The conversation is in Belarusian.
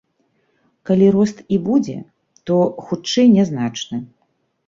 Калі рост і будзе, то, хутчэй, нязначны.